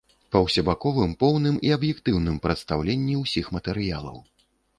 Па усебаковым, поўным і аб'ектыўным прадстаўленні ўсіх матэрыялаў.